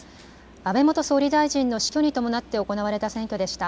安倍元総理大臣の死去に伴って行われた選挙でした。